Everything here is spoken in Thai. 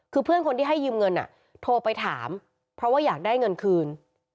คือเพื่อนคนที่ให้ยืมเงินโทรไปถามเพราะว่าอยากได้เงินคืน